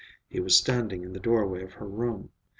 He was standing in the doorway of her room.